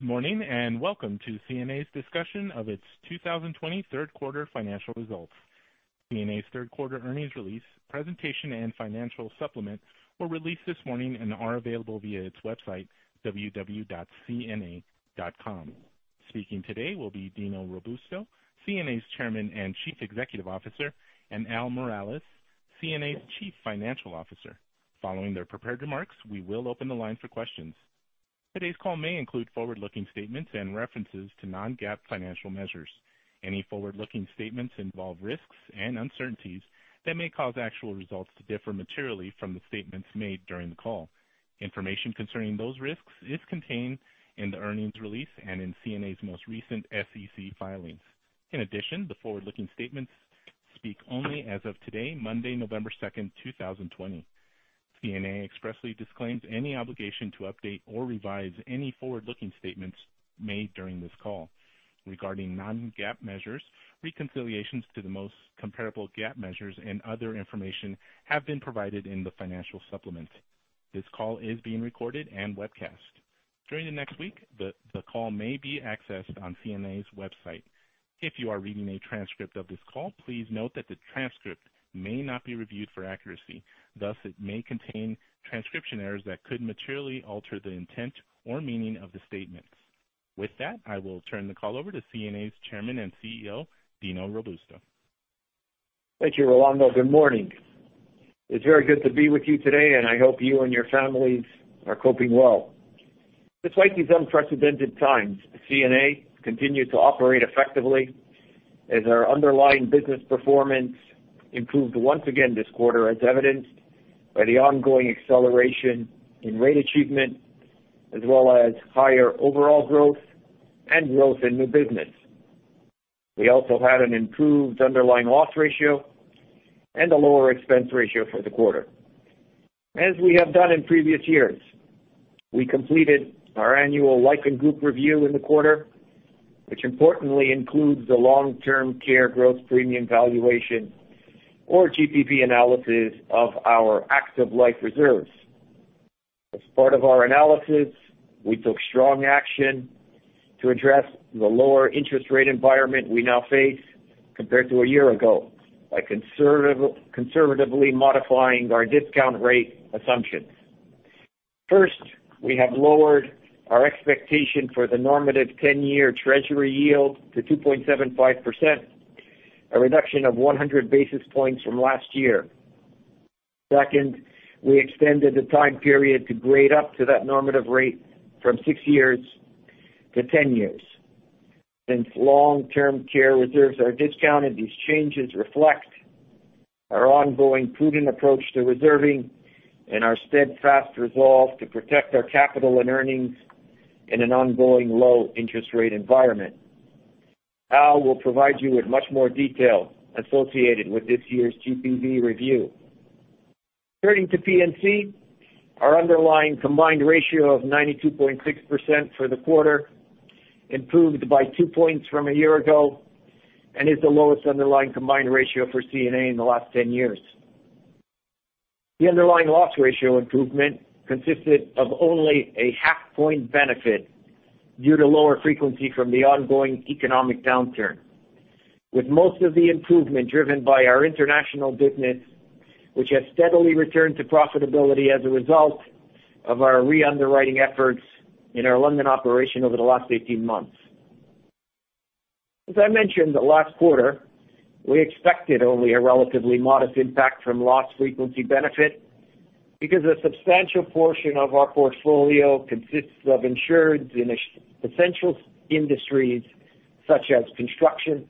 Good morning, and welcome to CNA's discussion of its 2020 third quarter financial results. CNA's third quarter earnings release, presentation, and financial supplement were released this morning and are available via its website, www.cna.com. Speaking today will be Dino Robusto, CNA's Chairman and Chief Executive Officer, and Al Miralles, CNA's Chief Financial Officer. Following their prepared remarks, we will open the line for questions. Today's call may include forward-looking statements and references to non-GAAP financial measures. Any forward-looking statements involve risks and uncertainties that may cause actual results to differ materially from the statements made during the call. Information concerning those risks is contained in the earnings release and in CNA's most recent SEC filings. The forward-looking statements speak only as of today, Monday, November 2nd, 2020. CNA expressly disclaims any obligation to update or revise any forward-looking statements made during this call. Regarding non-GAAP measures, reconciliations to the most comparable GAAP measures and other information have been provided in the financial supplement. This call is being recorded and webcast. During the next week, the call may be accessed on CNA's website. If you are reading a transcript of this call, please note that the transcript may not be reviewed for accuracy. Thus, it may contain transcription errors that could materially alter the intent or meaning of the statements. With that, I will turn the call over to CNA's Chairman and CEO, Dino Robusto. Thank you, Rolando. Good morning. It's very good to be with you today, and I hope you and your families are coping well. Despite these unprecedented times, CNA continued to operate effectively as our underlying business performance improved once again this quarter, as evidenced by the ongoing acceleration in rate achievement as well as higher overall growth and growth in new business. We also had an improved underlying loss ratio and a lower expense ratio for the quarter. As we have done in previous years, we completed our annual Life & Group review in the quarter, which importantly includes the long-term care gross premium valuation or GPV analysis of our active life reserves. As part of our analysis, we took strong action to address the lower interest rate environment we now face compared to a year ago by conservatively modifying our discount rate assumptions. First, we have lowered our expectation for the normative 10-year Treasury yield to 2.75%, a reduction of 100 basis points from last year. Second, we extended the time period to grade up to that normative rate from six years to 10 years. Since long-term care reserves are discounted, these changes reflect our ongoing prudent approach to reserving and our steadfast resolve to protect our capital and earnings in an ongoing low-interest-rate environment. Al will provide you with much more detail associated with this year's GPV review. Turning to P&C, our underlying combined ratio of 92.6% for the quarter improved by two points from a year ago and is the lowest underlying combined ratio for CNA in the last 10 years. The underlying loss ratio improvement consisted of only a half-point benefit due to lower frequency from the ongoing economic downturn, with most of the improvement driven by our international business, which has steadily returned to profitability as a result of our re-underwriting efforts in our London operation over the last 18 months. As I mentioned the last quarter, we expected only a relatively modest impact from loss frequency benefit because a substantial portion of our portfolio consists of insureds in essential industries such as construction,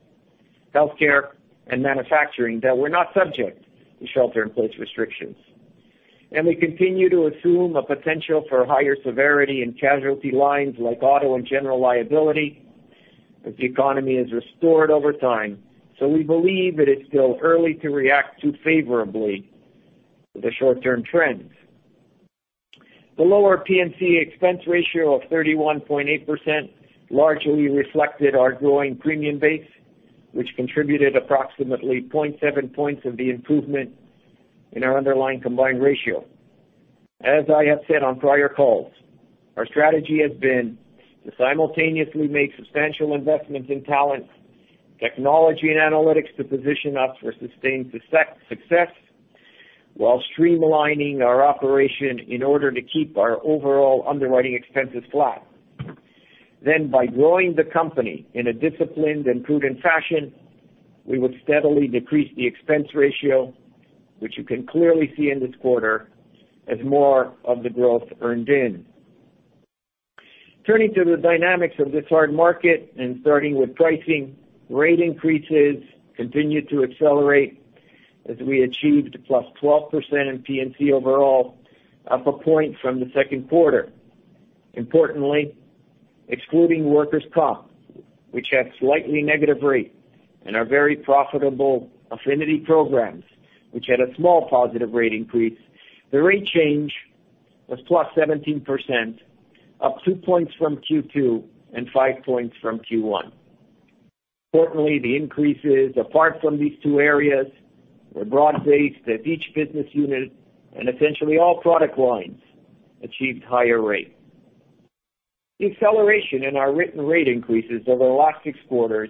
healthcare, and manufacturing that were not subject to shelter-in-place restrictions. We continue to assume a potential for higher severity in casualty lines like auto and general liability as the economy is restored over time. We believe that it's still early to react too favorably to the short-term trends. The lower P&C expense ratio of 31.8% largely reflected our growing premium base, which contributed approximately 0.7 points of the improvement in our underlying combined ratio. As I have said on prior calls, our strategy has been to simultaneously make substantial investments in talent, technology, and analytics to position us for sustained success while streamlining our operation in order to keep our overall underwriting expenses flat. By growing the company in a disciplined and prudent fashion, we would steadily decrease the expense ratio, which you can clearly see in this quarter as more of the growth earned in. Turning to the dynamics of this hard market and starting with pricing, rate increases continued to accelerate as we achieved +12% in P&C overall, up a point from the second quarter. Importantly, excluding workers' comp, which had slightly negative rate, and our very profitable affinity programs, which had a small positive rate increase, the rate change was +17%, up two points from Q2 and five points from Q1. Importantly, the increases apart from these two areas were broad-based at each business unit, and essentially all product lines achieved higher rates. The acceleration in our written rate increases over the last six quarters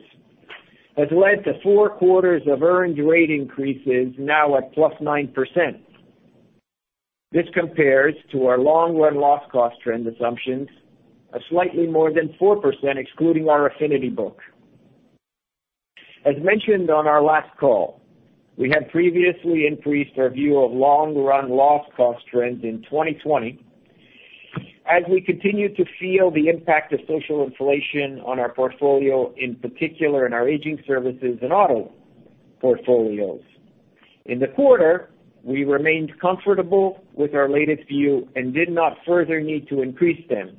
has led to four quarters of earned rate increases now at +9%. This compares to our long-run loss cost trend assumptions of slightly more than 4%, excluding our affinity book. As mentioned on our last call, we had previously increased our view of long-run loss cost trends in 2020, as we continue to feel the impact of social inflation on our portfolio, in particular in our aging services and auto portfolios. In the quarter, we remained comfortable with our latest view and did not further need to increase them.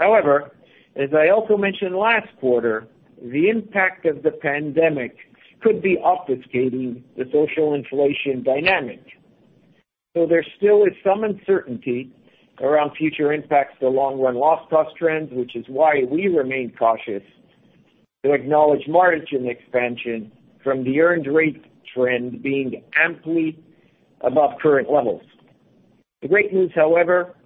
However, as I also mentioned last quarter, the impact of the pandemic could be obfuscating the social inflation dynamic. There still is some uncertainty around future impacts to long-run loss cost trends, which is why we remain cautious to acknowledge margin expansion from the earned rate trend being amply above current levels. The great news, however,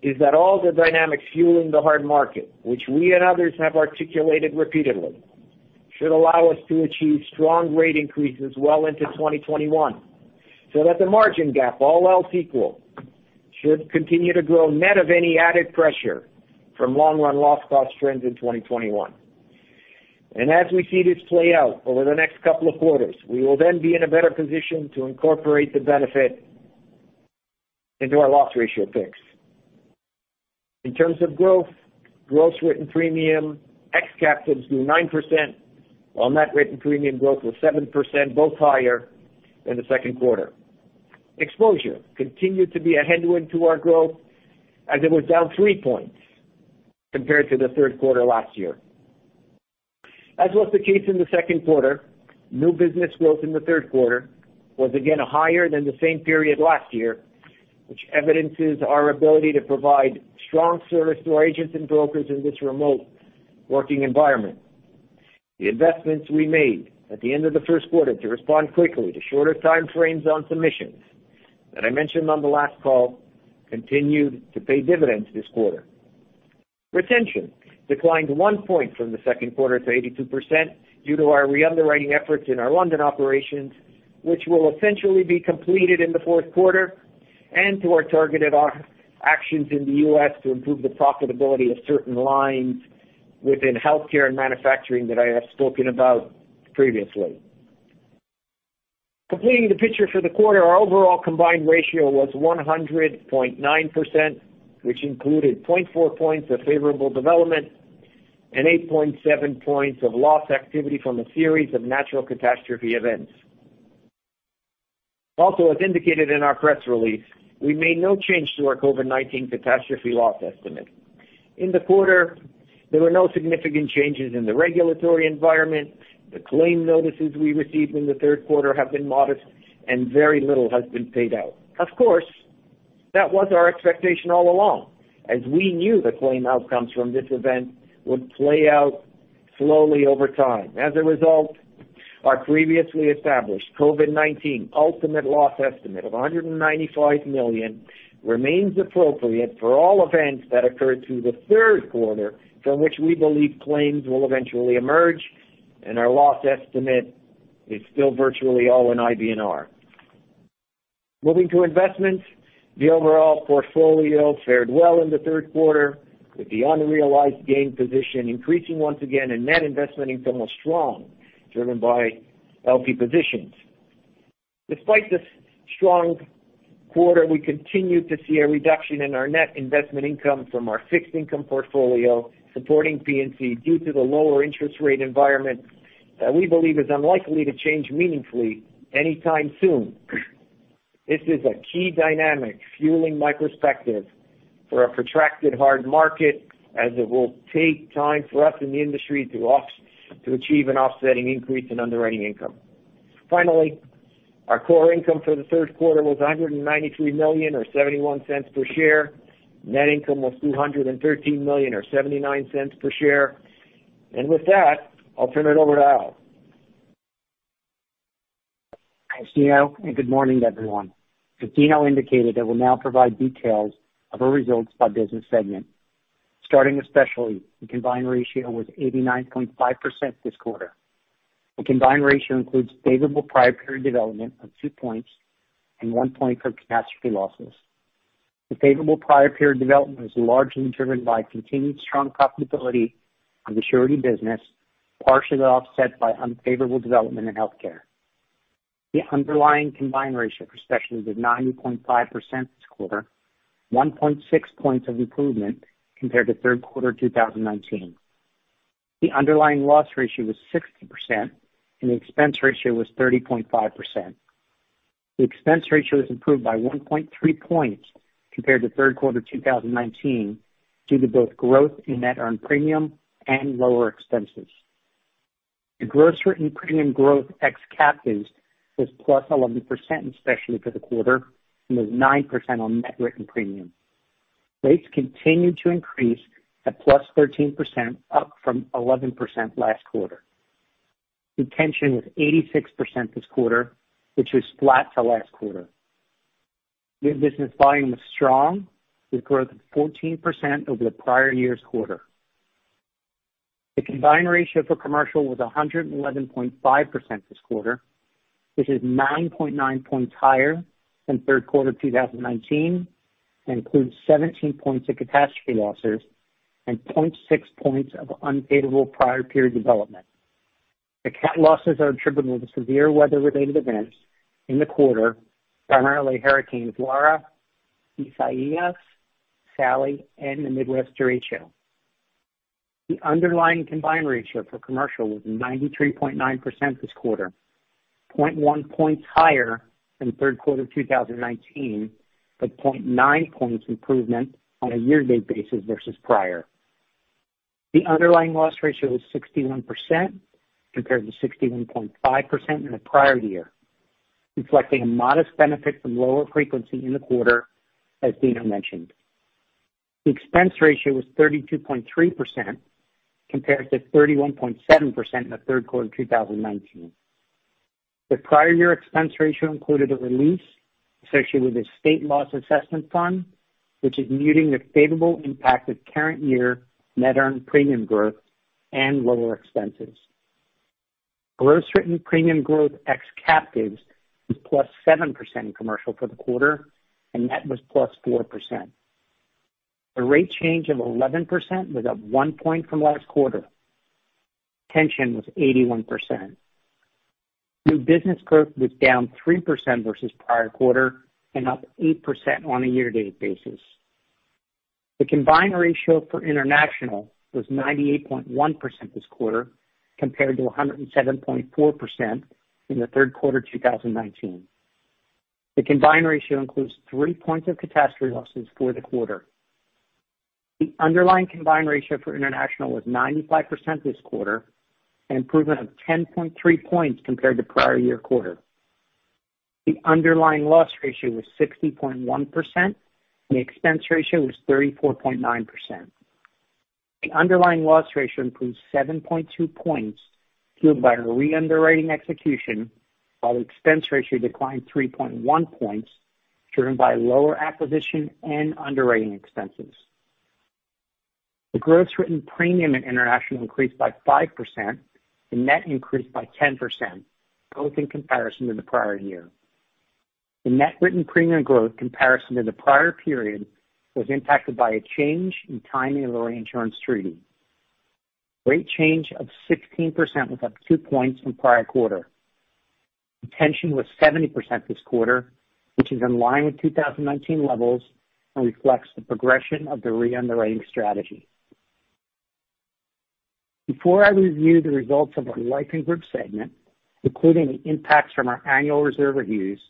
is that all the dynamics fueling the hard market, which we and others have articulated repeatedly, should allow us to achieve strong rate increases well into 2021, so that the margin gap, all else equal, should continue to grow net of any added pressure from long-run loss cost trends in 2021. As we see this play out over the next couple of quarters, we will then be in a better position to incorporate the benefit into our loss ratio picks. In terms of growth, gross written premium ex captives grew 9%, while net written premium growth was 7%, both higher than the second quarter. Exposure continued to be a headwind to our growth as it was down 3 points compared to the third quarter last year. As was the case in the second quarter, new business growth in the third quarter was again higher than the same period last year, which evidences our ability to provide strong service to our agents and brokers in this remote working environment. The investments we made at the end of the first quarter to respond quickly to shorter time frames on submissions that I mentioned on the last call continued to pay dividends this quarter. Retention declined one point from the second quarter to 82% due to our re-underwriting efforts in our London operations, which will essentially be completed in the fourth quarter, and to our targeted actions in the U.S. to improve the profitability of certain lines within healthcare and manufacturing that I have spoken about previously. Completing the picture for the quarter, our overall combined ratio was 100.9%, which included 0.4 points of favorable development and 8.7 points of loss activity from a series of natural catastrophe events. Also, as indicated in our press release, we made no change to our COVID-19 catastrophe loss estimate. In the quarter, there were no significant changes in the regulatory environment. The claim notices we received in the third quarter have been modest and very little has been paid out. Of course, that was our expectation all along, as we knew the claim outcomes from this event would play out slowly over time. As a result, our previously established COVID-19 ultimate loss estimate of $195 million remains appropriate for all events that occurred through the third quarter from which we believe claims will eventually emerge, and our loss estimate is still virtually all in IBNR. Moving to investments, the overall portfolio fared well in the third quarter, with the unrealized gain position increasing once again, and net investment income was strong, driven by LP positions. Despite the strong quarter, we continued to see a reduction in our net investment income from our fixed income portfolio supporting P&C due to the lower interest rate environment that we believe is unlikely to change meaningfully anytime soon. This is a key dynamic fueling my perspective for a protracted hard market, as it will take time for us in the industry to achieve an offsetting increase in underwriting income. Finally, our core income for the third quarter was $193 million, or $0.71 per share. Net income was $213 million, or $0.79 per share. With that, I'll turn it over to Al. Thanks, Dino, and good morning, everyone. Dino indicated that we'll now provide details of our results by business segment. Starting with Specialty, the combined ratio was 89.5% this quarter. The combined ratio includes favorable prior period development of two points and one point for catastrophe losses. The favorable prior period development was largely driven by continued strong profitability in the surety business, partially offset by unfavorable development in healthcare. The underlying combined ratio for Specialty was 90.5% this quarter, 1.6 points of improvement compared to third quarter 2019. The underlying loss ratio was 60%, and the expense ratio was 30.5%. The expense ratio has improved by 1.3 points compared to third quarter 2019 due to both growth in net earned premium and lower expenses. The gross written premium growth ex captives was +11% in Specialty for the quarter and was 9% on net written premium. Rates continued to increase at +13%, up from 11% last quarter. Retention was 86% this quarter, which was flat to last quarter. New business volume was strong, with growth of 14% over the prior year's quarter. The combined ratio for commercial was 111.5% this quarter, which is 9.9 points higher than third quarter 2019, and includes 17 points of catastrophe losses and 0.6 points of unfavorable prior period development. The cat losses are attributable to severe weather-related events in the quarter, primarily Hurricanes Laura, Isaias, Sally, and the Midwest derecho. The underlying combined ratio for commercial was 93.9% this quarter, 0.1 points higher than third quarter 2019, with 0.9 points improvement on a year-to-date basis versus prior. The underlying loss ratio was 61%, compared to 61.5% in the prior year, reflecting a modest benefit from lower frequency in the quarter, as Dino mentioned. The expense ratio was 32.3%, compared to 31.7% in the third quarter of 2019. The prior year expense ratio included a release associated with the State Loss Assessment Fund, which is muting the favorable impact of current year net earned premium growth and lower expenses. Gross written premium growth ex captives was +7% in Commercial for the quarter, and net was +4%. The rate change of 11% was up one point from last quarter. Retention was 81%. New business growth was -3% versus prior quarter and +8% on a year-to-date basis. The combined ratio for International was 98.1% this quarter, compared to 107.4% in the third quarter 2019. The combined ratio includes three points of catastrophe losses for the quarter. The underlying combined ratio for international was 95% this quarter, an improvement of 10.3 points compared to prior year quarter. The underlying loss ratio was 60.1%, and the expense ratio was 34.9%. The underlying loss ratio improved 7.2 points, fueled by re-underwriting execution, while expense ratio declined 3.1 points, driven by lower acquisition and underwriting expenses. The gross written premium in international increased by 5%, the net increased by 10%, both in comparison to the prior year. The net written premium growth comparison to the prior period was impacted by a change in timing of the reinsurance treaty. Rate change of 16% was up two points from prior quarter. Retention was 70% this quarter, which is in line with 2019 levels and reflects the progression of the re-underwriting strategy. Before I review the results of our Life & Group segment, including the impacts from our annual reserve reviews,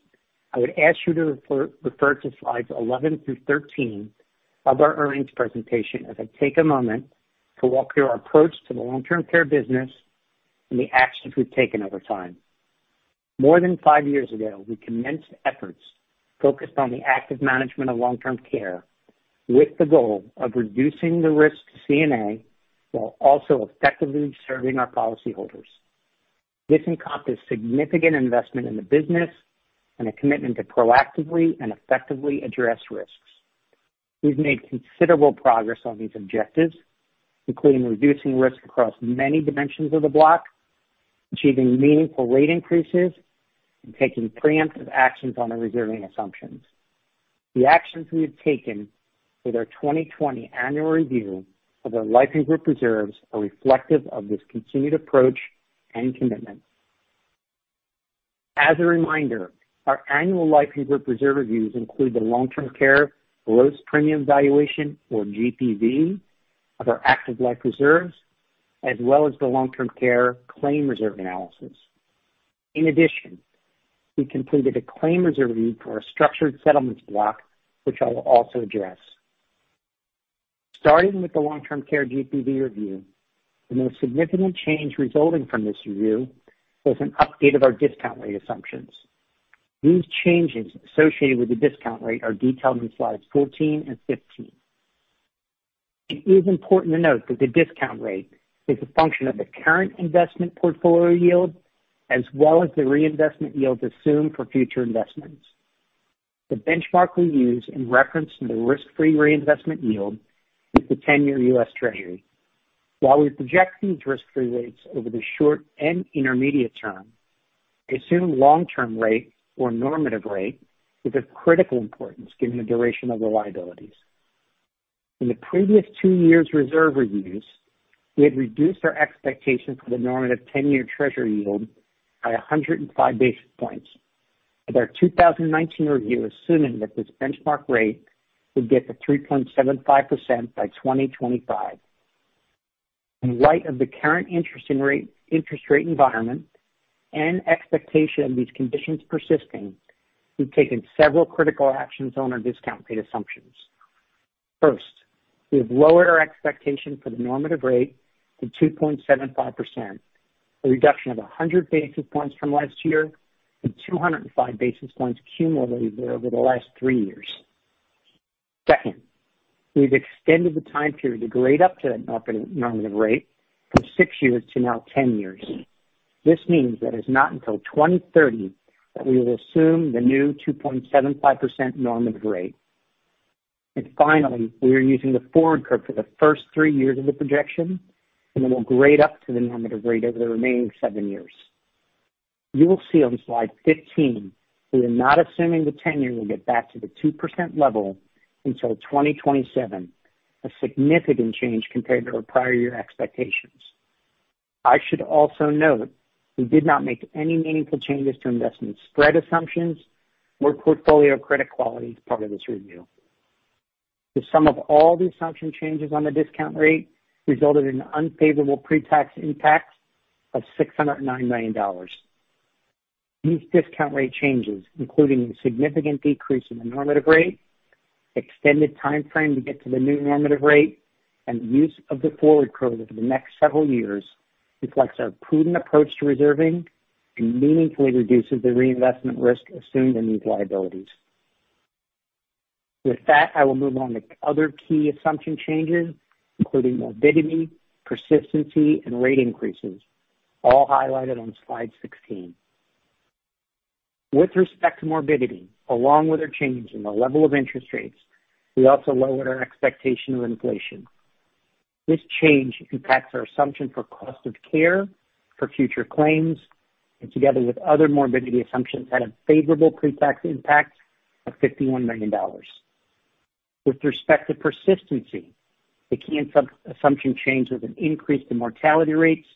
I would ask you to refer to slides 11 through 13 of our earnings presentation as I take a moment to walk through our approach to the long-term care business and the actions we've taken over time. More than five years ago, we commenced efforts focused on the active management of long-term care with the goal of reducing the risk to CNA while also effectively serving our policyholders. This encompassed significant investment in the business and a commitment to proactively and effectively address risks. We've made considerable progress on these objectives, including reducing risk across many dimensions of the block, achieving meaningful rate increases, and taking preemptive actions on the reserving assumptions. The actions we have taken with our 2020 annual review of our Life & Group reserves are reflective of this continued approach and commitment. As a reminder, our annual Life & Group reserve reviews include the long-term care gross premium valuation, or GPV, of our active life reserves, as well as the long-term care claim reserve analysis. In addition, we completed a claim reserve review for our structured settlements block, which I will also address. Starting with the long-term care GPV review, the most significant change resulting from this review was an update of our discount rate assumptions. These changes associated with the discount rate are detailed in slides 14 and 15. It is important to note that the discount rate is a function of the current investment portfolio yield as well as the reinvestment yield assumed for future investments. The benchmark we use in reference to the risk-free reinvestment yield is the 10-year US Treasury. While we project these risk-free rates over the short and intermediate term, assumed long-term rate or normative rate is of critical importance given the duration of the liabilities. In the previous two years' reserve reviews, we had reduced our expectations for the normative 10-year Treasury yield by 105 basis points, with our 2019 review assuming that this benchmark rate would get to 3.75% by 2025. In light of the current interest rate environment and expectation of these conditions persisting, we've taken several critical actions on our discount rate assumptions. First, we have lowered our expectation for the normative rate to 2.75%, a reduction of 100 basis points from last year and 205 basis points cumulatively over the last three years. Second, we've extended the time period to grade up to the normative rate from six years to now 10 years. This means that it's not until 2030 that we will assume the new 2.75% normative rate. Finally, we are using the forward curve for the first three years of the projection, and then we'll grade up to the normative rate over the remaining seven years. You will see on slide 15, we are not assuming the 10-year will get back to the 2% level until 2027, a significant change compared to our prior year expectations. I should also note we did not make any meaningful changes to investment spread assumptions or portfolio credit quality as part of this review. The sum of all the assumption changes on the discount rate resulted in unfavorable pre-tax impact of $609 million. These discount rate changes, including the significant decrease in the normative rate, extended timeframe to get to the new normative rate, and the use of the forward curve over the next several years, reflects our prudent approach to reserving and meaningfully reduces the reinvestment risk assumed in these liabilities. With that, I will move on to other key assumption changes, including morbidity, persistency, and rate increases, all highlighted on slide sixteen. With respect to morbidity, along with a change in the level of interest rates, we also lowered our expectation of inflation. This change impacts our assumption for cost of care for future claims, and together with other morbidity assumptions, had a favorable pre-tax impact of $51 million. With respect to persistency, the key assumption change was an increase in mortality rates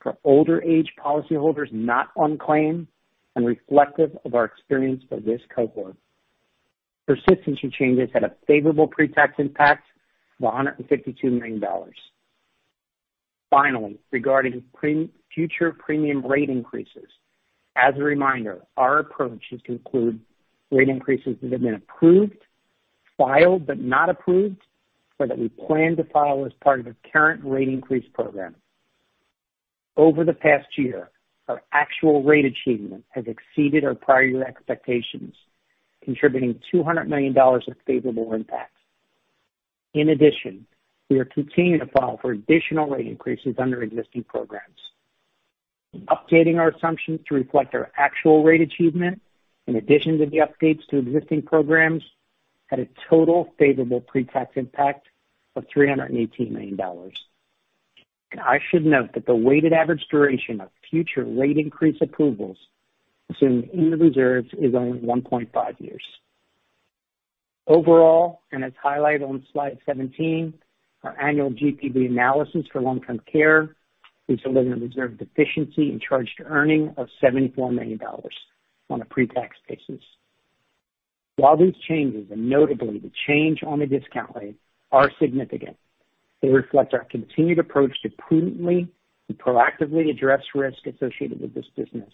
for older age policyholders not on claim and reflective of our experience for this cohort. Persistency changes had a favorable pre-tax impact of $152 million. Finally, regarding future premium rate increases, as a reminder, our approach is to include rate increases that have been approved, filed but not approved, or that we plan to file as part of a current rate increase program. Over the past year, our actual rate achievement has exceeded our prior year expectations, contributing $200 million of favorable impact. In addition, we are continuing to file for additional rate increases under existing programs. Updating our assumptions to reflect our actual rate achievement in addition to the updates to existing programs, had a total favorable pre-tax impact of $318 million. I should note that the weighted average duration of future rate increase approvals assumed in the reserves is only 1.5 years. Overall, as highlighted on slide 17, our annual GPV analysis for long-term care leads to living] reserve deficiency and charge to earnings of $74 million on a pre-tax basis. While these changes, and notably the change on the discount rate, are significant, they reflect our continued approach to prudently and proactively address risk associated with this business.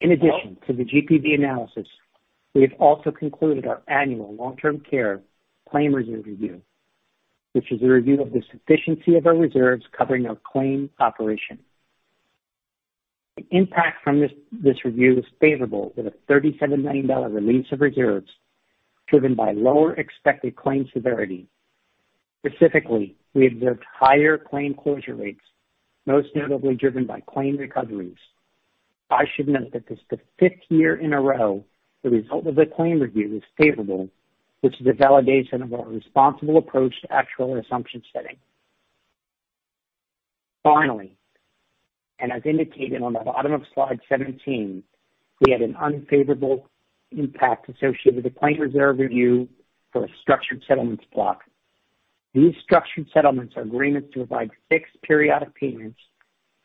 In addition to the GPV analysis, we have also concluded our annual long-term care claim reserve review, which is a review of the sufficiency of our reserves covering our claim operation. The impact from this review is favorable with a $37 million release of reserves driven by lower expected claim severity. Specifically, we observed higher claim closure rates, most notably driven by claim recoveries. I should note that this is the fifth year in a row the result of the claim review is favorable, which is a validation of our responsible approach to actual and assumption setting. Finally, as indicated on the bottom of slide 17, we had an unfavorable impact associated with a claim reserve review for a structured settlements block. These structured settlements are agreements to provide fixed periodic payments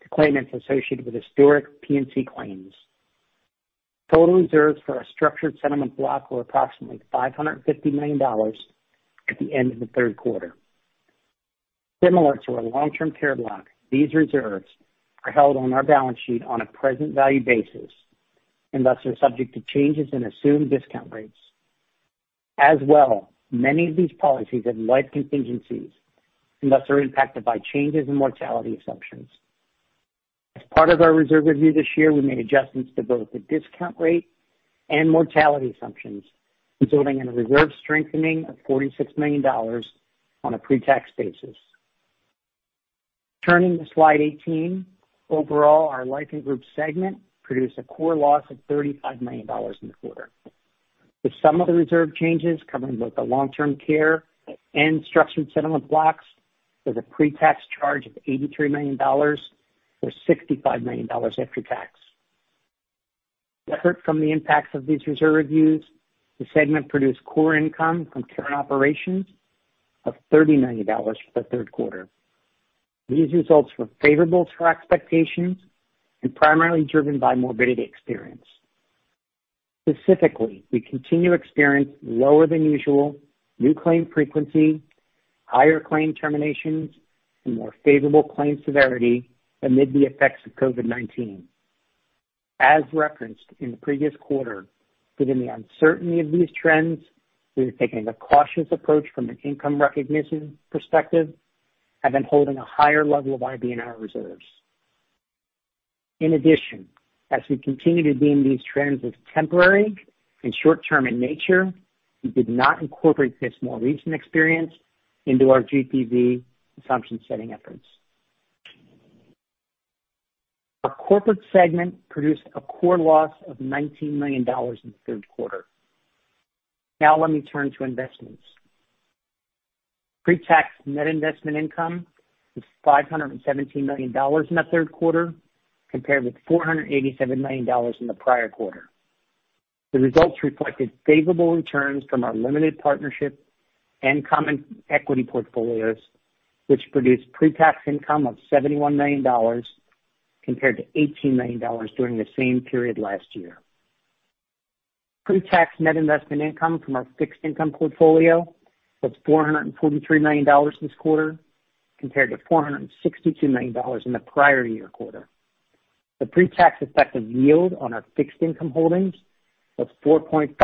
to claimants associated with historic P&C claims. Total reserves for our structured settlement block were approximately $550 million at the end of the third quarter. Similar to our long-term care block, these reserves are held on our balance sheet on a present value basis and thus are subject to changes in assumed discount rates. As well, many of these policies have life contingencies and thus are impacted by changes in mortality assumptions. As part of our reserve review this year, we made adjustments to both the discount rate and mortality assumptions, resulting in a reserve strengthening of $46 million on a pre-tax basis. Turning to slide 18, overall, our Life & Group segment produced a core loss of $35 million in the quarter. The sum of the reserve changes covering both the long-term care and structured settlement blocks was a pre-tax charge of $83 million, or $65 million after tax. Separate from the impacts of these reserve reviews, the segment produced core income from current operations of $30 million for the third quarter. These results were favorable to our expectations and primarily driven by morbidity experience. Specifically, we continue to experience lower than usual new claim frequency, higher claim terminations, and more favorable claim severity amid the effects of COVID-19. As referenced in the previous quarter, given the uncertainty of these trends, we have taken a cautious approach from an income recognition perspective and been holding a higher level of IBNR reserves. In addition, as we continue to deem these trends as temporary and short-term in nature, we did not incorporate this more recent experience into our GPV assumption-setting efforts. Our corporate segment produced a core loss of $19 million in the third quarter. Now let me turn to investments. Pre-tax net investment income was $517 million in the third quarter, compared with $487 million in the prior quarter. The results reflected favorable returns from our limited partnership and common equity portfolios, which produced pre-tax income of $71 million compared to $18 million during the same period last year. Pre-tax net investment income from our fixed income portfolio was $443 million this quarter, compared to $462 million in the prior-year quarter. The pre-tax effective yield on our fixed income holdings was 4.5%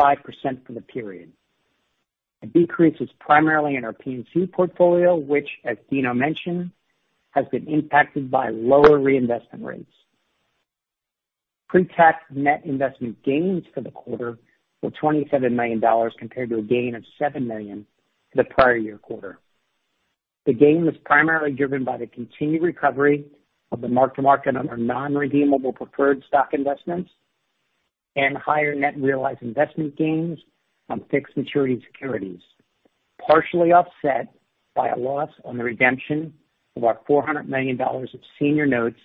for the period. The decrease is primarily in our P&C portfolio, which, as Dino mentioned, has been impacted by lower reinvestment rates. Pre-tax net investment gains for the quarter were $27 million, compared to a gain of $7 million in the prior-year quarter. The gain was primarily driven by the continued recovery of the mark-to-market on our non-redeemable preferred stock investments and higher net realized investment gains on fixed maturity securities, partially offset by a loss on the redemption of our $400 million of senior notes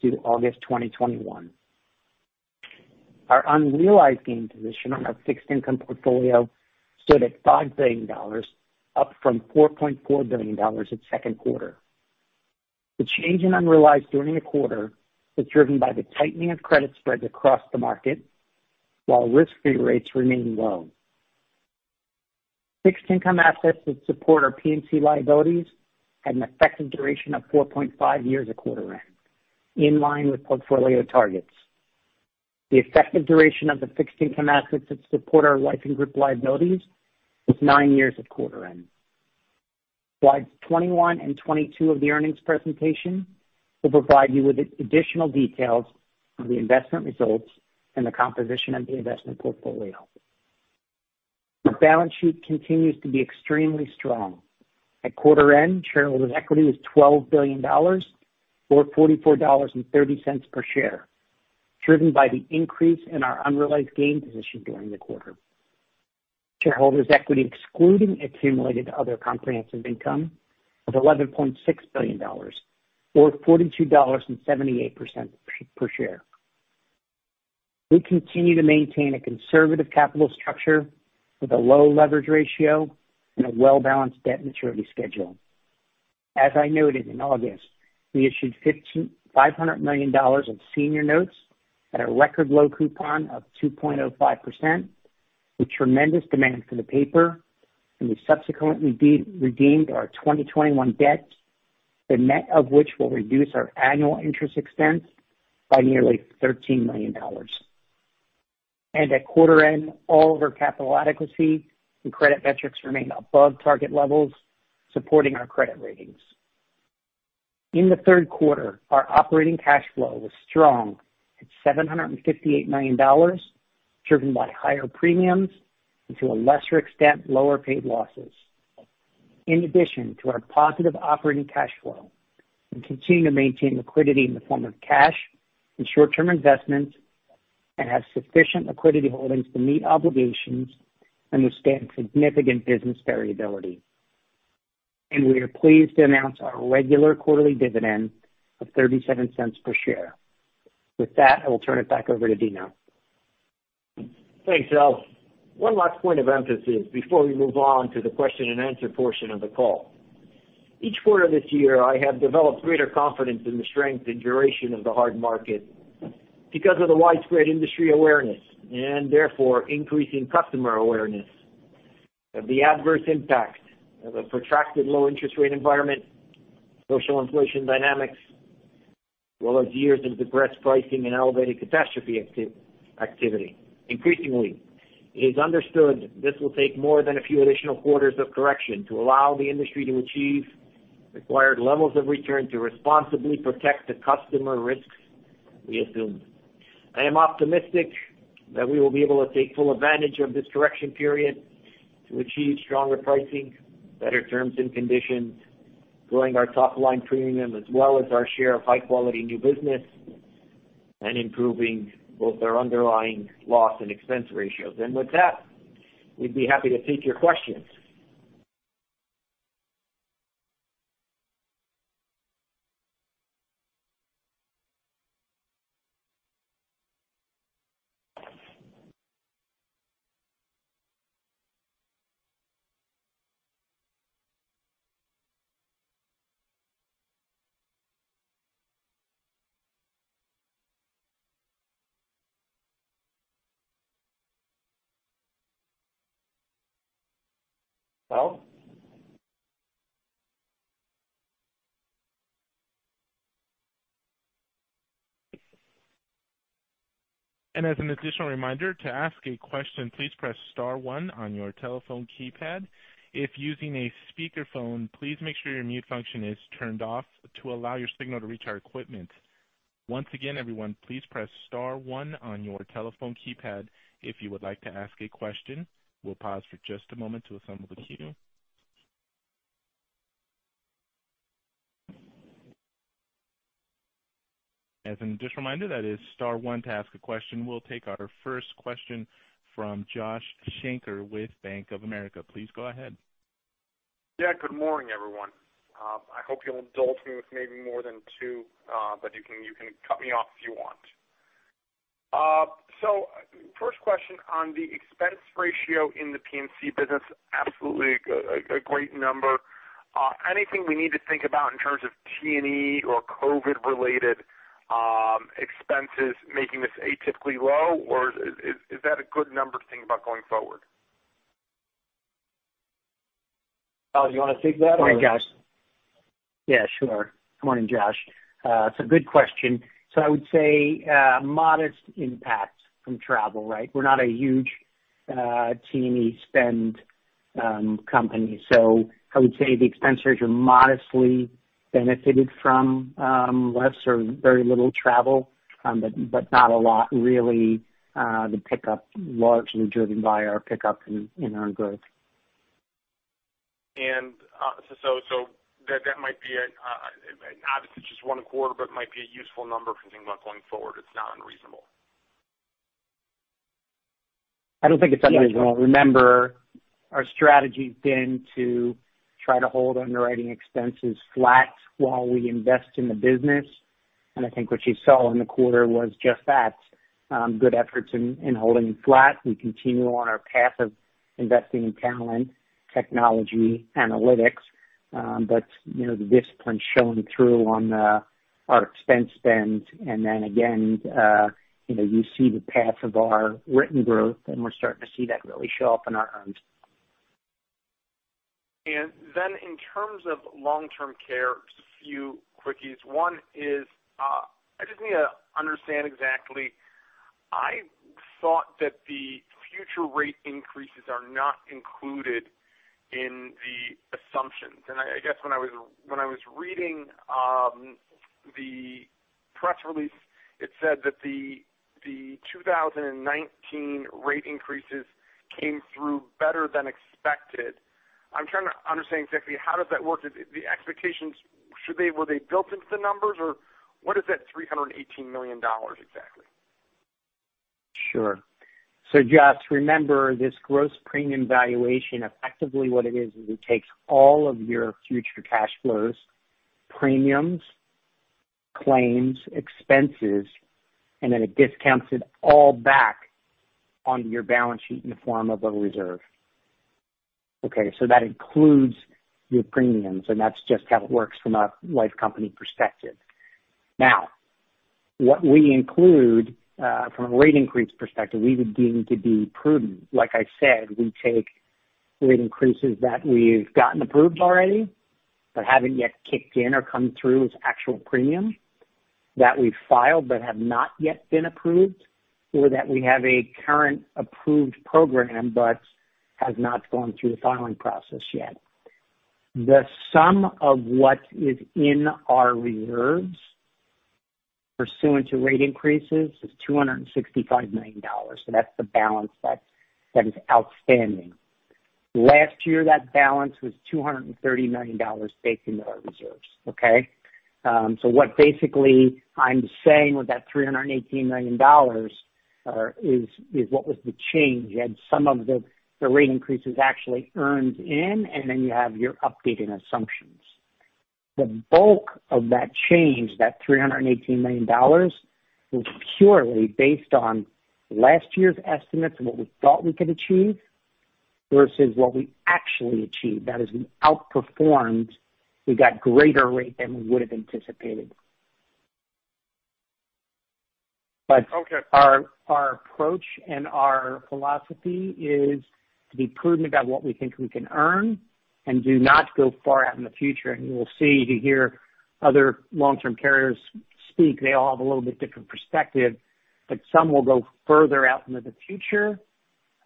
due to August 2021. Our unrealized gain position on our fixed income portfolio stood at $5 billion, up from $4.4 billion in second quarter. The change in unrealized during the quarter was driven by the tightening of credit spreads across the market while risk-free rates remain low. Fixed income assets that support our P&C liabilities had an effective duration of 4.5 years at quarter end, in line with portfolio targets. The effective duration of the fixed income assets that support our Life & Group liabilities was nine years at quarter end. Slides 21 and 22 of the earnings presentation will provide you with additional details on the investment results and the composition of the investment portfolio. The balance sheet continues to be extremely strong. At quarter end, shareholders' equity was $12 billion, or $44.30 per share, driven by the increase in our unrealized gain position during the quarter. Shareholders' equity excluding accumulated other comprehensive income was $11.6 billion, or $42.78 per share. We continue to maintain a conservative capital structure with a low leverage ratio and a well-balanced debt maturity schedule. As I noted in August, we issued $500 million of senior notes at a record low coupon of 2.05%, with tremendous demand for the paper, and we subsequently redeemed our 2021 debt, the net of which will reduce our annual interest expense by nearly $13 million. At quarter end, all of our capital adequacy and credit metrics remained above target levels, supporting our credit ratings. In the third quarter, our operating cash flow was strong at $758 million, driven by higher premiums and to a lesser extent, lower paid losses. In addition to our positive operating cash flow, we continue to maintain liquidity in the form of cash and short-term investments and have sufficient liquidity holdings to meet obligations and withstand significant business variability. We are pleased to announce our regular quarterly dividend of $0.37 per share. With that, I will turn it back over to Dino. Thanks, Al. One last point of emphasis before we move on to the question and answer portion of the call. Each quarter this year, I have developed greater confidence in the strength and duration of the hard market because of the widespread industry awareness, and therefore increasing customer awareness of the adverse impact of a protracted low interest rate environment, social inflation dynamics, as well as years of depressed pricing and elevated catastrophe activity. Increasingly, it is understood this will take more than a few additional quarters of correction to allow the industry to achieve required levels of return to responsibly protect the customer risks we assumed. I am optimistic that we will be able to take full advantage of this correction period to achieve stronger pricing, better terms and conditions, growing our top-line premium, as well as our share of high-quality new business and improving both our underlying loss and expense ratios. With that, we'd be happy to take your questions. Well. As an additional reminder, to ask a question, please press star one on your telephone keypad. If using a speakerphone, please make sure your mute function is turned off to allow your signal to reach our equipment. Once again, everyone, please press star one on your telephone keypad if you would like to ask a question. We'll pause for just a moment to assemble the queue. As an additional reminder, that is star one to ask a question. We'll take our first question from Josh Shanker with Bank of America. Please go ahead. Yeah. Good morning, everyone. I hope you'll indulge me with maybe more than two, but you can cut me off if you want. First question on the expense ratio in the P&C business, absolutely a great number. Anything we need to think about in terms of T&E or COVID related expenses making this atypically low, or is that a good number to think about going forward? Al, do you want to take that or? Morning, Josh. Yeah, sure. Morning, Josh. It's a good question. I would say modest impact from travel, right? We're not a huge T&E spend company. I would say the expense ratio modestly benefited from less or very little travel, but not a lot really. The pickup largely driven by our pickup in our growth. That might be obviously just one quarter, but it might be a useful number if you think about going forward. It's not unreasonable. I don't think it's unreasonable. Remember, our strategy's been to try to hold underwriting expenses flat while we invest in the business. I think what you saw in the quarter was just that, good efforts in holding flat. We continue on our path of investing in talent, technology, analytics. The discipline's showing through on our expense spend. Again you see the path of our written growth, and we're starting to see that really show up in our earnings. Then in terms of long-term care, just a few quickies. One is, I just need to understand exactly. I thought that the future rate increases are not included in the assumptions. I guess when I was reading the press release, it said that the 2019 rate increases came through better than expected. I'm trying to understand exactly how does that work. The expectations, were they built into the numbers, or what is that $318 million exactly? Sure. Josh, remember this Gross Premium Valuation, effectively what it is it takes all of your future cash flows, premiums, claims, expenses, and then it discounts it all back onto your balance sheet in the form of a reserve. That includes your premiums, and that's just how it works from a life company perspective. What we include from a rate increase perspective, we would deem to be prudent. Like I said, we take rate increases that we've gotten approved already but haven't yet kicked in or come through as actual premium, that we've filed but have not yet been approved, or that we have a current approved program but has not gone through the filing process yet. The sum of what is in our reserves pursuant to rate increases is $265 million. That's the balance that is outstanding. Last year, that balance was $230 million, based into our reserves, okay? What basically I'm saying with that $318 million is what was the change. You had some of the rate increases actually earned in, and then you have your updated assumptions. The bulk of that change, that $318 million, was purely based on last year's estimates of what we thought we could achieve versus what we actually achieved. That is, we outperformed, we got greater rate than we would have anticipated. Okay. Our approach and our philosophy is to be prudent about what we think we can earn and do not go far out in the future. You will see, you hear other long-term carriers speak, they all have a little bit different perspective, but some will go further out into the future,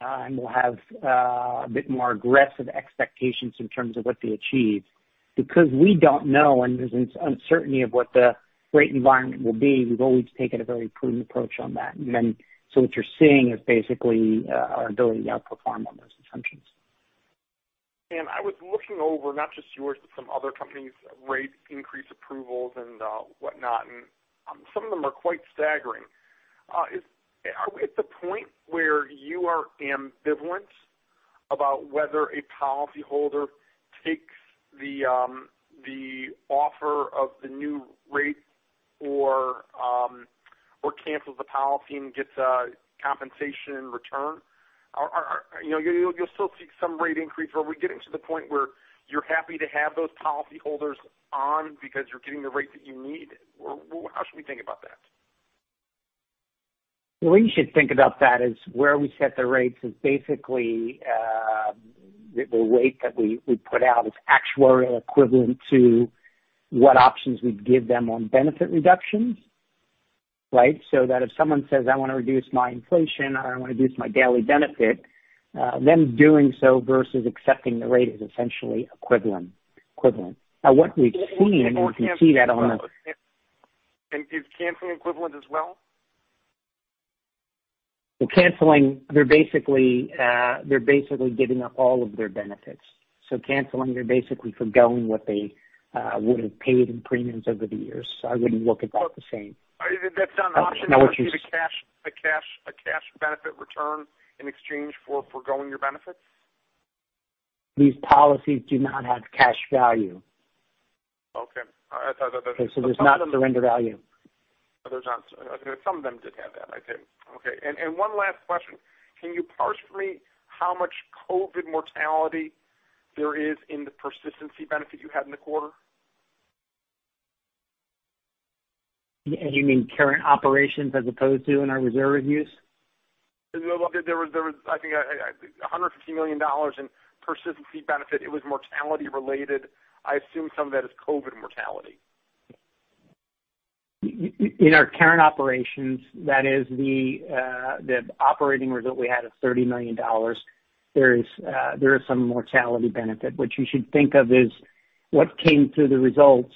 and will have a bit more aggressive expectations in terms of what they achieve. We don't know, and there's uncertainty of what the rate environment will be, we've always taken a very prudent approach on that. What you're seeing is basically our ability to outperform on those assumptions. I was looking over not just yours, but some other companies' rate increase approvals and whatnot, and some of them are quite staggering. Are we at the point where you are ambivalent about whether a policyholder takes the offer of the new rate or cancels the policy and gets a compensation in return? You'll still see some rate increase. Are we getting to the point where you're happy to have those policyholders on because you're getting the rate that you need? How should we think about that? The way you should think about that is where we set the rates is basically, the rate that we put out is actuarial equivalent to what options we'd give them on benefit reductions. That if someone says, "I want to reduce my inflation," or, "I want to reduce my daily benefit," them doing so versus accepting the rate is essentially equivalent. What we've seen, and you can see that on the- Is canceling equivalent as well? Well, canceling, they're basically giving up all of their benefits. Canceling, they're basically foregoing what they would've paid in premiums over the years. I wouldn't look at that the same. That's not an option. No. To get a cash benefit return in exchange for foregoing your benefits? These policies do not have cash value. Okay. There's not surrender value. Some of them did have that, I think. Okay. One last question. Can you parse for me how much COVID mortality there is in the persistency benefit you had in the quarter? You mean current operations as opposed to in our reserve use? There was, I think, $150 million in persistency benefit. It was mortality related. I assume some of that is COVID mortality. In our current operations, that is the operating result we had of $30 million. There is some mortality benefit. What you should think of is what came through the results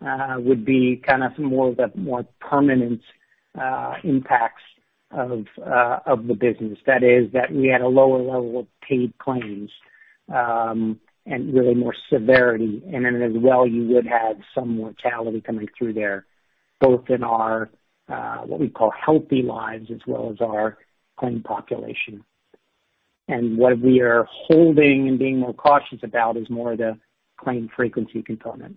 would be kind of more of the more permanent impacts of the business. That is that we had a lower level of paid claims, and really more severity. Then as well, you would have some mortality coming through there, both in our, what we call healthy lives, as well as our claim population. What we are holding and being more cautious about is more the claim frequency component.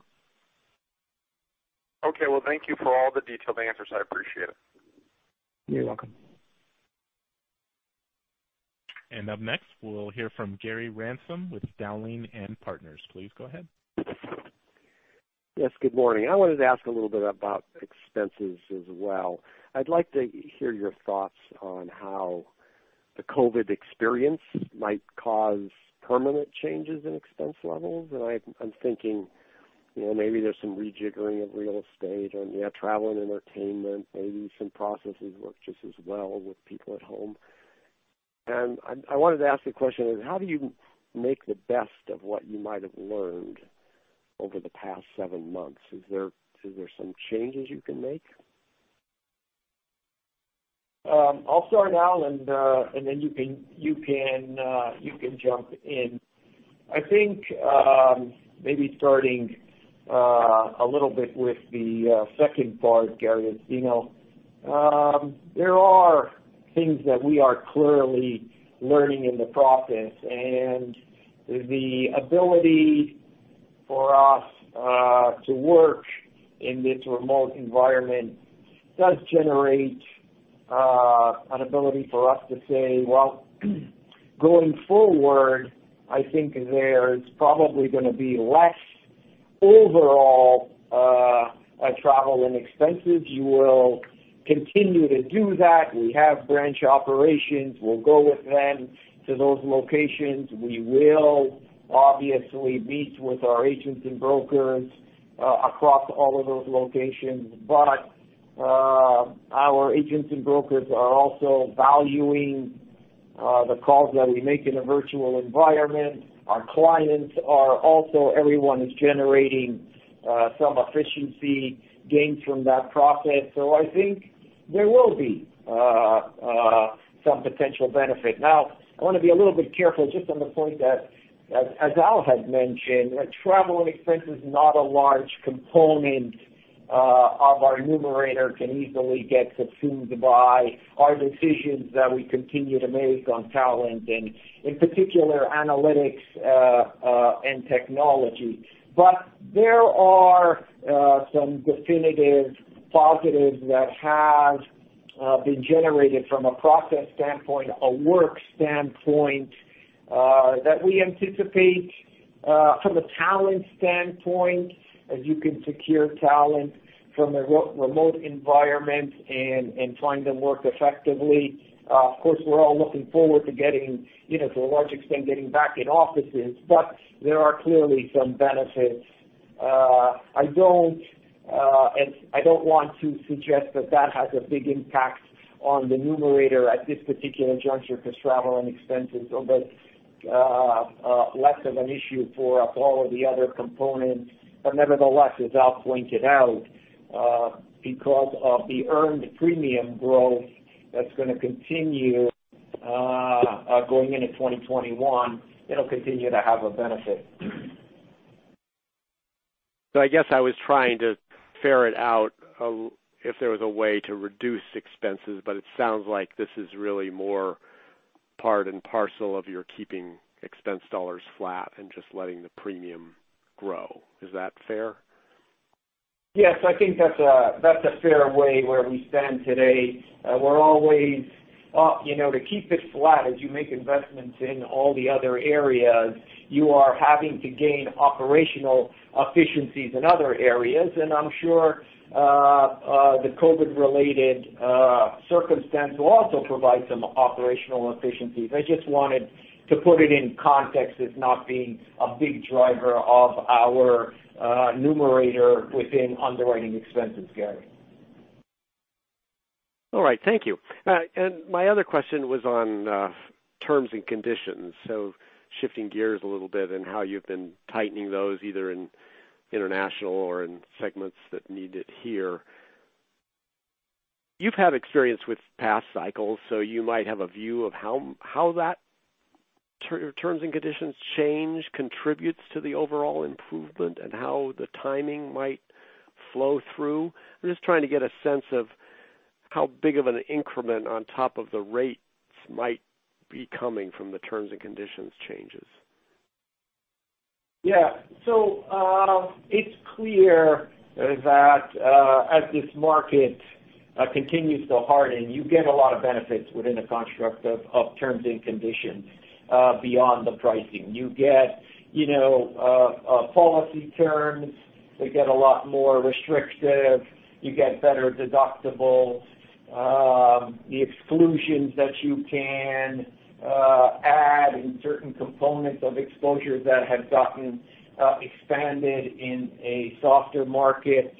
Okay. Well, thank you for all the detailed answers. I appreciate it. You're welcome. Up next, we'll hear from Gary Ransom with Dowling & Partners. Please go ahead. Yes, good morning. I wanted to ask a little bit about expenses as well. I'd like to hear your thoughts on how the COVID-19 experience might cause permanent changes in expense levels. I'm thinking maybe there's some rejiggering of real estate or Travel and Entertainment. Maybe some processes work just as well with people at home. I wanted to ask a question, how do you make the best of what you might have learned over the past seven months? Is there some changes you can make? I'll start, Al, and then you can jump in. I think, maybe starting a little bit with the second part, Gary. There are things that we are clearly learning in the process, and the ability for us to work in this remote environment does generate an ability for us to say, well, going forward, I think there's probably going to be less overall travel and expenses. You will continue to do that. We have branch operations. We'll go with them to those locations. We will obviously meet with our agents and brokers across all of those locations. Our agents and brokers are also valuing the calls that we make in a virtual environment. Everyone is generating some efficiency gains from that process. I think there will be some potential benefit. Now, I want to be a little bit careful just on the point that, as Al had mentioned, travel and expense is not a large component of our numerator, can easily get consumed by our decisions that we continue to make on talent and in particular, analytics and technology. There are some definitive positives that have been generated from a process standpoint, a work standpoint, that we anticipate, from a talent standpoint, as you can secure talent from a remote environment and find them work effectively. Of course, we're all looking forward to getting, to a large extent, getting back in offices, but there are clearly some benefits. I don't want to suggest that that has a big impact on the numerator at this particular juncture, because travel and expenses are less of an issue for us. All of the other components. Nevertheless, as Al pointed out, because of the earned premium growth that's going to continue going into 2021, it'll continue to have a benefit. I guess I was trying to ferret out if there was a way to reduce expenses, but it sounds like this is really more. Part and parcel of your keeping expense dollars flat and just letting the premium grow. Is that fair? Yes, I think that's a fair way where we stand today. To keep it flat, as you make investments in all the other areas, you are having to gain operational efficiencies in other areas. I'm sure, the COVID-related circumstance will also provide some operational efficiencies. I just wanted to put it in context as not being a big driver of our numerator within underwriting expenses, Gary. All right. Thank you. My other question was on terms and conditions. Shifting gears a little bit and how you've been tightening those either in international or in segments that need it here. You've had experience with past cycles, so you might have a view of how that terms and conditions change contributes to the overall improvement and how the timing might flow through. I'm just trying to get a sense of how big of an increment on top of the rates might be coming from the terms and conditions changes. Yeah. It's clear that, as this market continues to harden, you get a lot of benefits within the construct of terms and conditions, beyond the pricing. You get policy terms, they get a lot more restrictive. You get better deductibles. The exclusions that you can add and certain components of exposures that had gotten expanded in a softer market.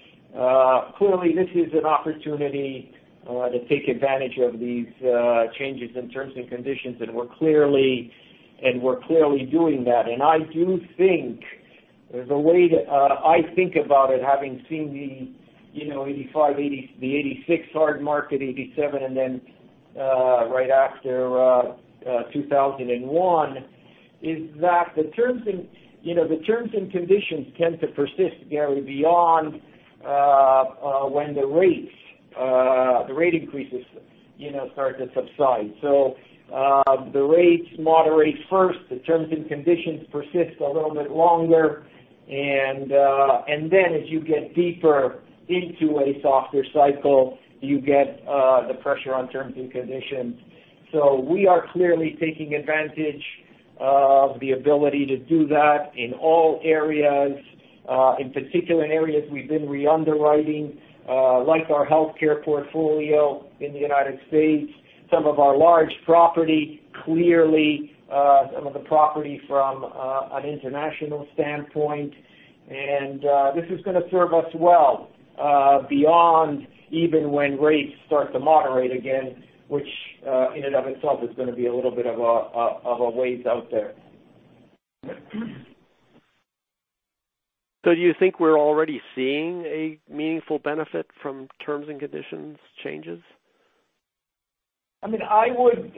Clearly, this is an opportunity to take advantage of these changes in terms and conditions, and we're clearly doing that. The way that I think about it, having seen the 1985, the 1986 hard market, 1987, and then, right after 2001, is that the terms and conditions tend to persist, Gary, beyond when the rate increases start to subside. The rates moderate first, the terms and conditions persist a little bit longer, and then as you get deeper into a softer cycle, you get the pressure on terms and conditions. We are clearly taking advantage of the ability to do that in all areas. In particular in areas we've been re-underwriting, like our healthcare portfolio in the United States, some of our large property, clearly, some of the property from an international standpoint. This is going to serve us well, beyond even when rates start to moderate again, which, in and of itself is going to be a little bit of a ways out there. Do you think we're already seeing a meaningful benefit from terms and conditions changes? I would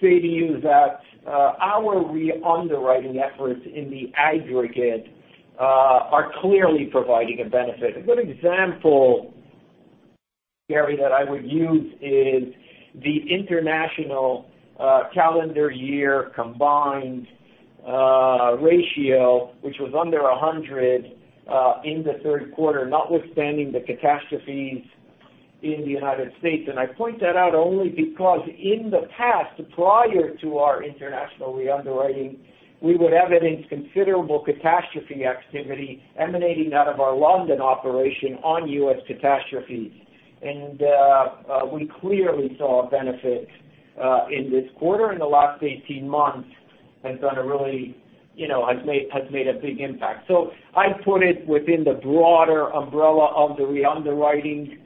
say to you that our re-underwriting efforts in the aggregate are clearly providing a benefit. A good example, Gary, that I would use is the international calendar year combined ratio, which was under 100 in the third quarter, notwithstanding the catastrophes in the U.S. I point that out only because in the past, prior to our international re-underwriting, we would evidence considerable catastrophe activity emanating out of our London operation on U.S. catastrophes. We clearly saw a benefit, in this quarter. In the last 18 months has made a big impact. I'd put it within the broader umbrella of the re-underwriting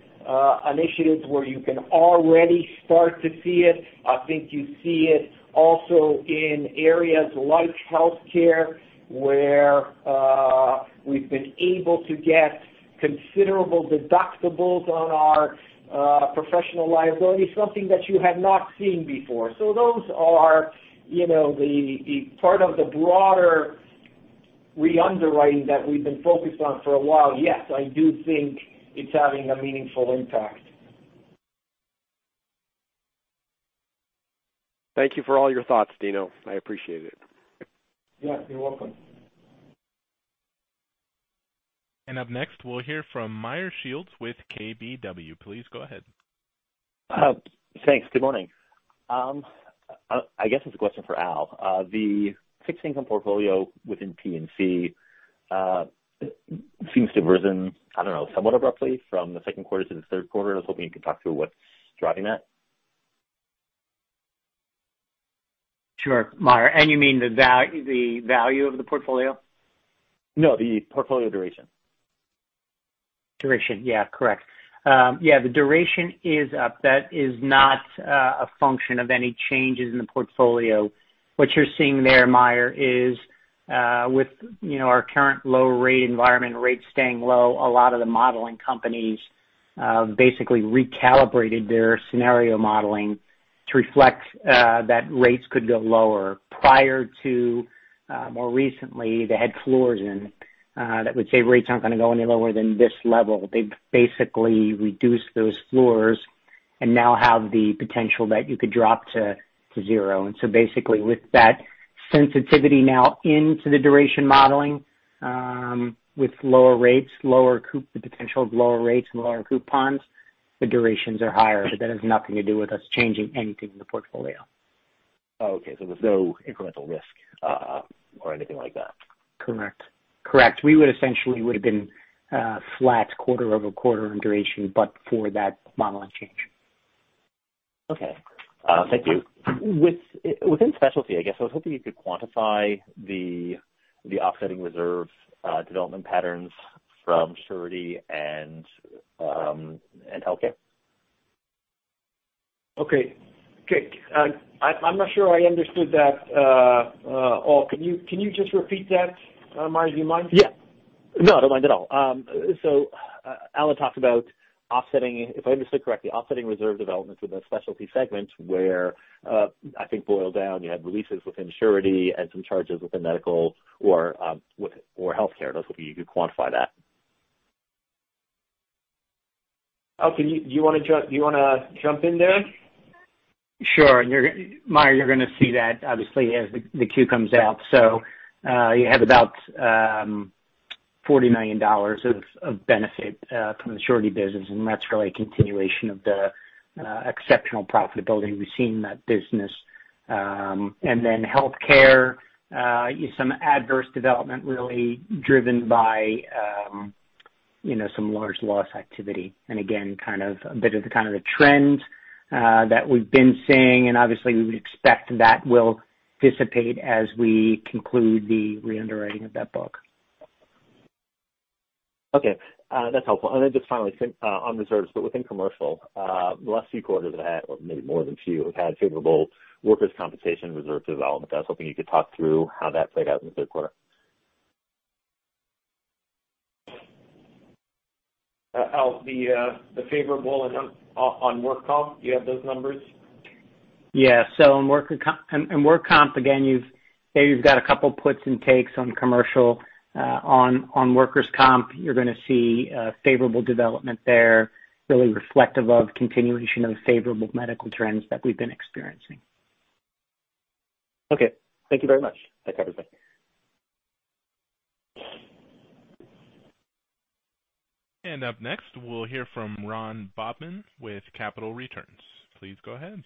initiatives where you can already start to see it. I think you see it also in areas like healthcare, where we've been able to get considerable deductibles on our professional liability, something that you had not seen before. Those are the part of the broader re-underwriting that we've been focused on for a while. Yes, I do think it's having a meaningful impact. Thank you for all your thoughts, Dino. I appreciate it. Yeah, you're welcome. Up next, we'll hear from Meyer Shields with KBW. Please go ahead. Thanks. Good morning. I guess it's a question for Al. The fixed income portfolio within P&C seems to have risen, I don't know, somewhat abruptly from the second quarter to the third quarter. I was hoping you could talk through what's driving that. Sure, Meyer. You mean the value of the portfolio? No, the portfolio duration. Duration. Yeah, correct. Yeah, the duration is up. That is not a function of any changes in the portfolio. What you're seeing there, Meyer, is with our current low rate environment, rates staying low, a lot of the modeling companies basically recalibrated their scenario modeling to reflect that rates could go lower. Prior to more recently, they had floors in that would say rates aren't going to go any lower than this level. They've basically reduced those floors. Now have the potential that you could drop to zero. Basically with that sensitivity now into the duration modeling, with the potential of lower rates and lower coupons, the durations are higher. That has nothing to do with us changing anything in the portfolio. Okay, there's no incremental risk or anything like that? Correct. We essentially would've been flat quarter-over-quarter in duration, but for that modeling change. Okay. Thank you. Within Specialty, I guess I was hoping you could quantify the offsetting reserve development patterns from surety and healthcare. Okay. I'm not sure I understood that all. Can you just repeat that, Meyer, do you mind? Yeah. No, I don't mind at all. Al talked about, if I understood correctly, offsetting reserve developments with the Specialty segment where, I think boiled down, you had releases within surety and some charges within medical or healthcare. I was hoping you could quantify that. Al, do you want to jump in there? Sure. Meyer, you're going to see that obviously as the Q comes out. You have about $40 million of benefit from the surety business, that's really a continuation of the exceptional profitability we've seen in that business. Then healthcare, some adverse development really driven by some large loss activity. Again, a bit of the kind of the trend that we've been seeing, and obviously we would expect that will dissipate as we conclude the re-underwriting of that book. Okay. That's helpful. Just finally, on reserves but within commercial, the last few quarters we've had, or maybe more than a few, we've had favorable workers' compensation reserve development. I was hoping you could talk through how that played out in the third quarter. Al, the favorable on work comp, do you have those numbers? Yeah. On work comp, again, you've got a couple puts and takes on commercial. On workers' comp, you're going to see favorable development there, really reflective of continuation of favorable medical trends that we've been experiencing. Okay. Thank you very much. That covers it. Up next, we'll hear from Ron Bobman with Capital Returns. Please go ahead.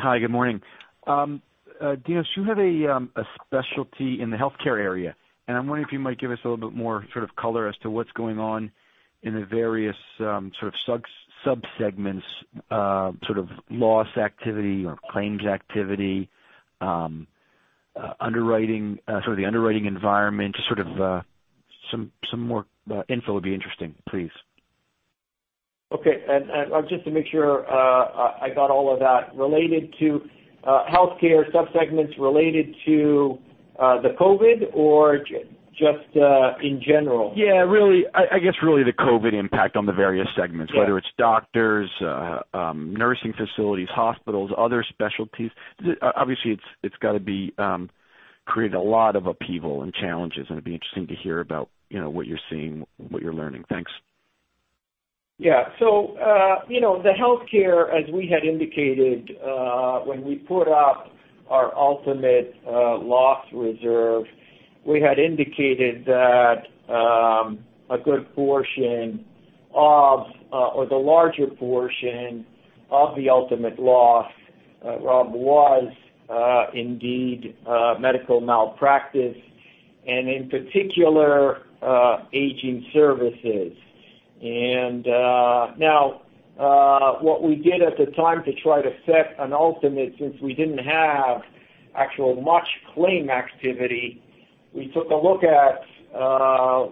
Hi, good morning. Dino, you have a Specialty in the healthcare area, and I'm wondering if you might give us a little bit more sort of color as to what's going on in the various sort of sub-segments, sort of loss activity or claims activity, the underwriting environment, just sort of some more info would be interesting, please. Okay. Just to make sure I got all of that, related to healthcare sub-segments related to the COVID or just in general? Yeah, I guess really the COVID impact on the various segments. Yeah Whether it's doctors, nursing facilities, hospitals, other specialties. Obviously, it's got to create a lot of upheaval and challenges, and it'd be interesting to hear about what you're seeing, what you're learning. Thanks. Yeah. The healthcare, as we had indicated when we put up our ultimate loss reserve, we had indicated that a good portion of, or the larger portion of the ultimate loss, Ron, was indeed medical malpractice, and in particular, aging services. Now, what we did at the time to try to set an ultimate, since we didn't have actual much claim activity, we took a look at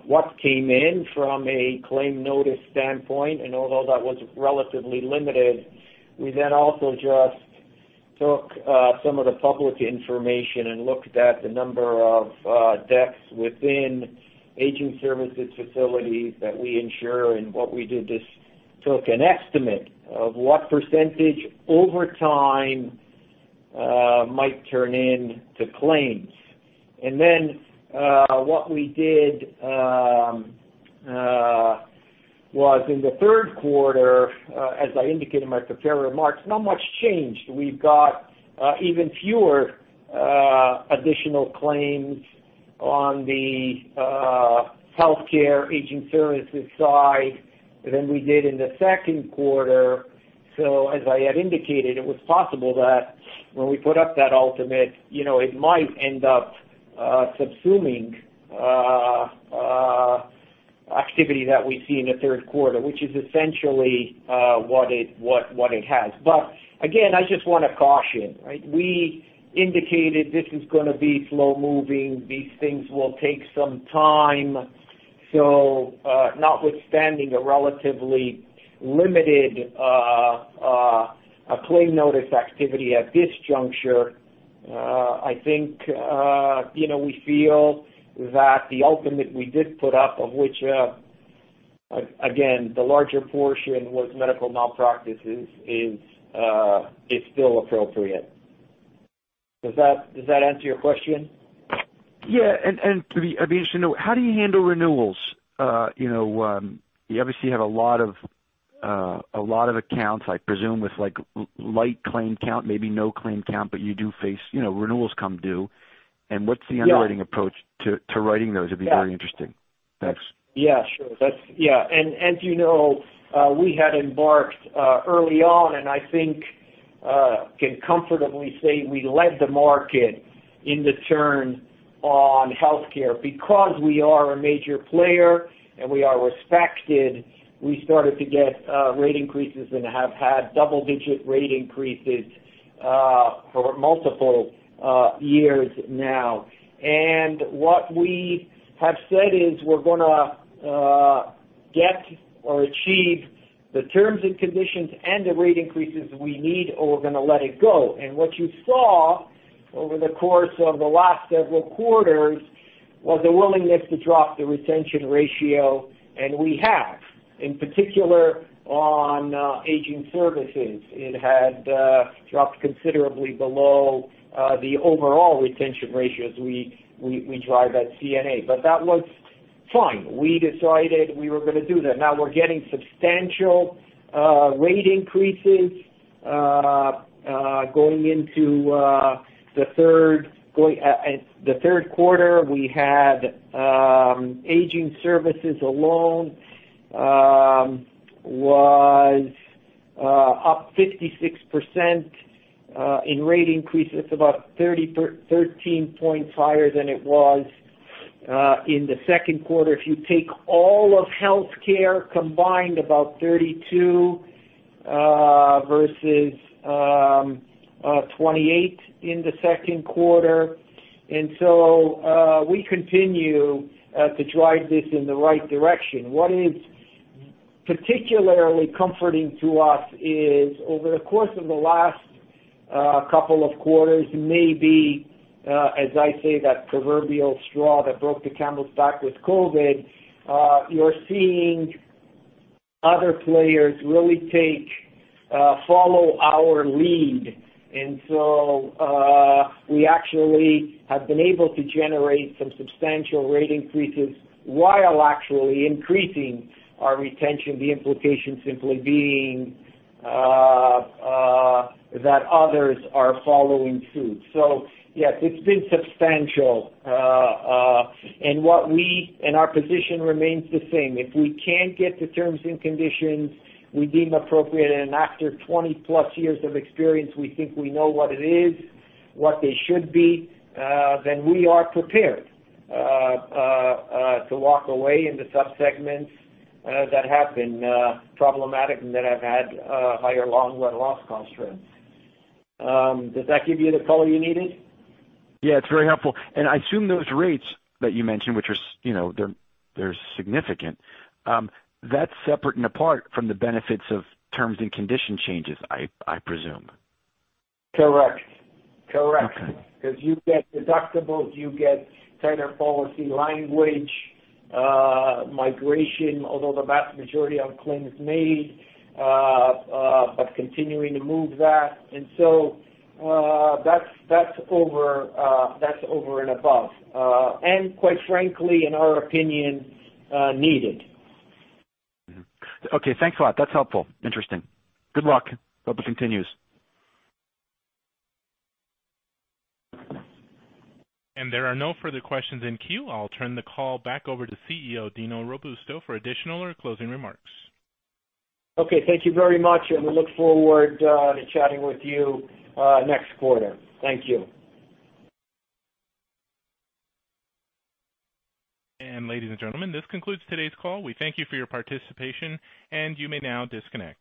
what came in from a claim notice standpoint. Although that was relatively limited, we then also just took some of the public information and looked at the number of deaths within aging services facilities that we insure. What we did is took an estimate of what percentage over time might turn into claims. Then what we did was in the third quarter, as I indicated in my prepared remarks, not much changed. We've got even fewer additional claims on the healthcare aging services side than we did in the second quarter. As I had indicated, it was possible that when we put up that ultimate, it might end up subsuming activity that we see in the third quarter, which is essentially what it has. Again, I just want to caution, right? We indicated this is going to be slow-moving. These things will take some time. Notwithstanding a relatively limited claim notice activity at this juncture, I think we feel that the ultimate we did put up, of which again, the larger portion was medical malpractice, is still appropriate. Does that answer your question? Yeah. I'd be interested to know, how do you handle renewals? You obviously have a lot of accounts, I presume, with light claim count, maybe no claim count, but you do face, renewals come due. What's the underwriting approach to writing those? It'd be very interesting. Thanks. Yeah, sure. As you know, we had embarked early on, and I think can comfortably say we led the market in the turn on healthcare. Because we are a major player and we are respected, we started to get rate increases and have had double-digit rate increases for multiple years now. What we have said is we're going to get or achieve the terms and conditions and the rate increases we need, or we're going to let it go. What you saw over the course of the last several quarters was a willingness to drop the retention ratio, and we have. In particular, on aging services, it had dropped considerably below the overall retention ratios we drive at CNA. That was fine. We decided we were going to do that. Now we're getting substantial rate increases. Going into the third quarter, we had aging services alone was up 56% in rate increases, about 13 points higher than it was in the second quarter. If you take all of healthcare combined, about 32% versus 28% in the second quarter. We continue to drive this in the right direction. What is particularly comforting to us is over the course of the last couple of quarters, maybe, as I say, that proverbial straw that broke the camel's back with COVID-19, you're seeing other players really follow our lead. We actually have been able to generate some substantial rate increases while actually increasing our retention, the implication simply being that others are following suit. Yes, it's been substantial. Our position remains the same. If we can't get the terms and conditions we deem appropriate, and after 20-plus years of experience, we think we know what it is, what they should be, then we are prepared to walk away in the sub-segments that have been problematic and that have had higher long-run loss constraints. Does that give you the color you needed? Yeah, it's very helpful. I assume those rates that you mentioned, which are significant, that's separate and apart from the benefits of terms and condition changes, I presume. Correct. Okay. Because you get deductibles, you get tighter policy language, migration, although the vast majority are claims made, but continuing to move that. That's over and above, and quite frankly, in our opinion, needed. Okay, thanks a lot. That's helpful. Interesting. Good luck. Hope it continues. There are no further questions in queue. I'll turn the call back over to CEO Dino Robusto for additional or closing remarks. Okay, thank you very much, and we look forward to chatting with you next quarter. Thank you. Ladies and gentlemen, this concludes today's call. We thank you for your participation, and you may now disconnect.